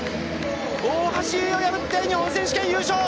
大橋悠依を破って日本選手権優勝！